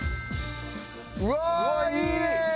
うわーいいね！